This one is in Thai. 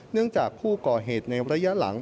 เนื่องจากผู้กอเหตุในระยะหลัง